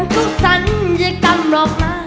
ก็สัญญากันหรอกนะ